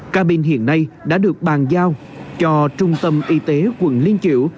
cabin hiện nay đã được bàn giao cho trung tâm y tế quận niên triều